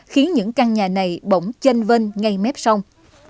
khiến những căn nhà này bỗng chân vân ngay mép sông